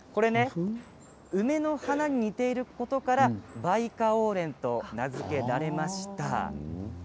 梅の花に似ていることからバイカオウレンと名付けられました。